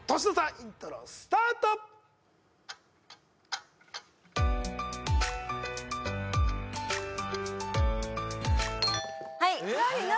イントロスタート何何？